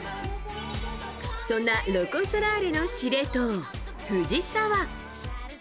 そんなロコ・ソラーレの司令塔・藤澤。